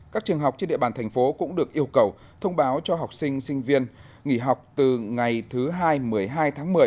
các trường học trên địa bàn thành phố cũng được yêu cầu thông báo cho học sinh sinh viên nghỉ học từ ngày thứ hai một mươi hai tháng một mươi